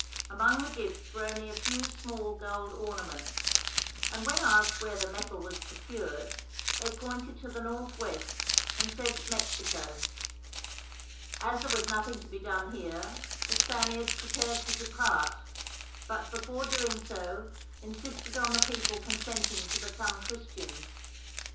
Among the gifts were only a few small gold ornaments, and when asked where the metal was procured, they pointed to the northwest and said Mexico. As there was nothing to be done here, the Spaniards prepared to depart; but before doing so insisted on the people consenting to become Christians.